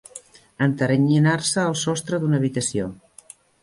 Enteranyinar-se el sostre d'una habitació.